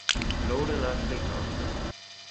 Lauren Ashley Carter